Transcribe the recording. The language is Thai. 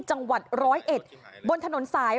จังหวัดร้อยเอ็ดบนถนนสาย